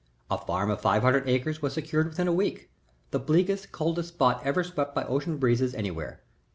A farm of five hundred acres was secured within a week, the bleakest, coldest spot ever swept by ocean breezes anywhere.